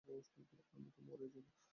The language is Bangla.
আমি তো মরেই যাব।